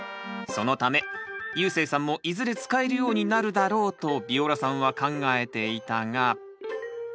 そのためゆうせいさんもいずれ使えるようになるだろうとビオラさんは考えていたが。